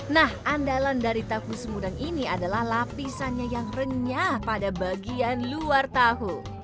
nah andalan dari tahu sumedang ini adalah lapisannya yang renyah pada bagian luar tahu